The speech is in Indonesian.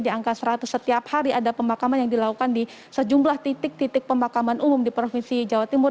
di angka seratus setiap hari ada pemakaman yang dilakukan di sejumlah titik titik pemakaman umum di provinsi jawa timur